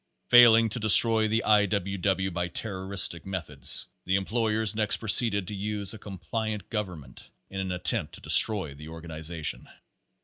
Failing to destroy the I. W. W. by terroristic meth \ ods, the employers next proceeded to use a compliant government in an attempt to destroy the organization.